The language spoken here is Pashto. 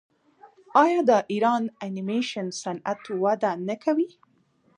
آیا د ایران انیمیشن صنعت وده نه کوي؟